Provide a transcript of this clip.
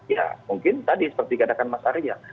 ya mungkin tadi seperti katakan masaria